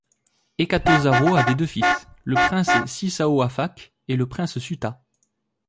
Ekathosarot avait deux fils, le prince Si Saowaphak et le prince Sutat.